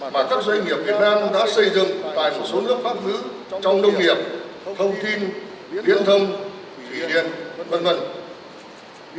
mà các doanh nghiệp việt nam đã xây dựng tại một số nước pháp ngữ trong nông nghiệp thông tin điện thông thủy điện v v